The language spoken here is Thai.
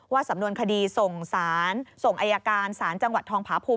สำนวนคดีส่งสารส่งอายการศาลจังหวัดทองผาภูมิ